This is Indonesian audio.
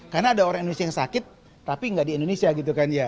karena ada orang indonesia yang sakit tapi nggak di indonesia gitu kan ya